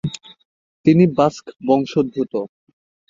তিনি বাস্ক বংশোদ্ভূত।